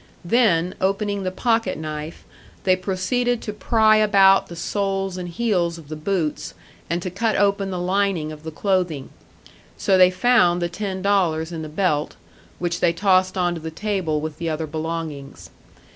Then, opening the pocket knife, they proceeded to pry about the soles and heels of the boots, and to cut open the lining of the clothing. So they found the ten dollars in the belt, which they tossed onto the table with the other belongings.